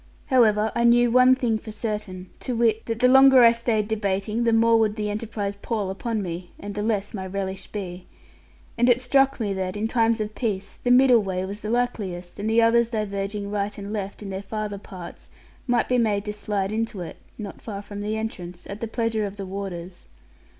However, I knew one thing for certain, to wit, that the longer I stayed debating the more would the enterprise pall upon me, and the less my relish be. And it struck me that, in times of peace, the middle way was the likeliest; and the others diverging right and left in their farther parts might be made to slide into it (not far from the entrance), at the pleasure of the warders.